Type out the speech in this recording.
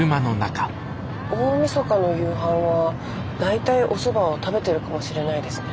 大みそかの夕飯は大体おそばを食べてるかもしれないですね。